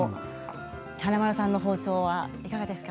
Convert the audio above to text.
華丸さんの包丁はいかがですか？